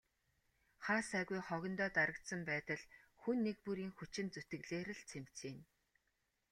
Хаа сайгүй хогондоо дарагдсан байдал хүн нэг бүрийн хүчин зүтгэлээр л цэмцийнэ.